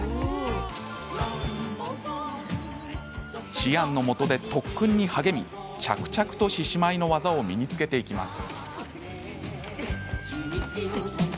チアンのもとで特訓に励み着々と獅子舞の技を身につけていきます。